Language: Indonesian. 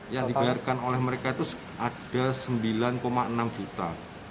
yang dibayarkan oleh mereka itu ada sembilan enam juta